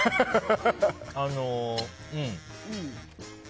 あのうん。